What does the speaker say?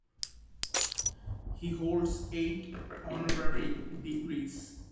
He holds eight honorary degrees.